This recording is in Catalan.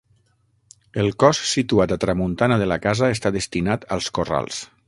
El cos situat a tramuntana de la casa està destinat als corrals.